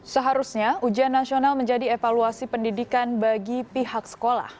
seharusnya ujian nasional menjadi evaluasi pendidikan bagi pihak sekolah